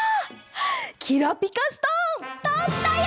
きらぴかストーンとったよ！